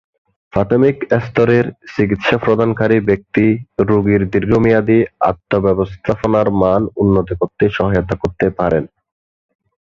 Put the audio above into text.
প্রাথমিক স্তরের চিকিৎসা প্রদানকারী ব্যক্তি রোগীর দীর্ঘমেয়াদী আত্ম-ব্যবস্থাপনার মান উন্নত করতে সহায়তা করতে পারেন।